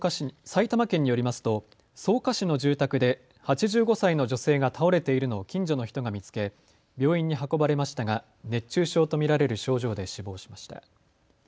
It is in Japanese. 埼玉県によりますと草加市の住宅で８５歳の女性が倒れているのを近所の人が見つけ病院に運ばれましたが熱中症と見られる症状で死亡しました。